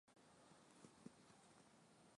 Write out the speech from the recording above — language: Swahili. Ugonjwa wa majimoyo husababisha vifo vya ghafla